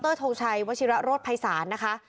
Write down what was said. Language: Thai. ดรโทงชัยวชิระโรดภัยศาสตร์นะคะ